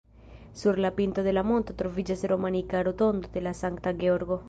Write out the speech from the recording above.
Sur la pinto de la monto troviĝas romanika rotondo de Sankta Georgo.